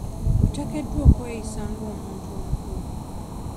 Oteekeddwa okweyisa nga omuntu omukulu.